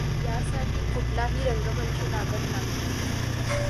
यासाठी कुठलाही रंगमंच लागत नाही.